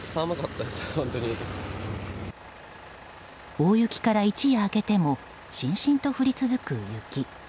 大雪から一夜明けてもしんしんと降り続く雪。